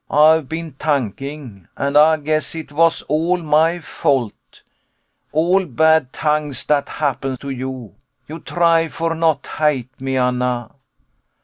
CHRIS Ay've been tanking, and Ay guess it vas all my fault all bad tangs dat happen to you. [Pleadingly.] You try for not hate me, Anna.